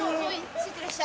ついてらっしゃい。